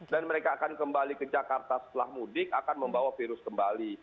dan mereka akan kembali ke jakarta setelah mudik akan membawa virus kembali